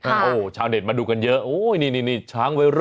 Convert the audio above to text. โอ้ชาวเด็ดมาดูกันเยอะโอ้นี่ช้างวัยรุ่น